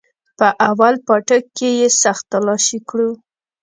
په اول پاټک کښې يې سخت تلاشي كړو.